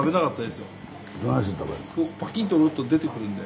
パキンと折ると出てくるんで。